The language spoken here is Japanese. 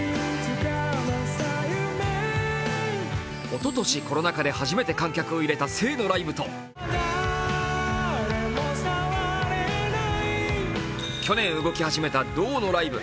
おととし、コロナ禍で初めて観客を入れた静のライブと去年、動き始めた「動」のライブ。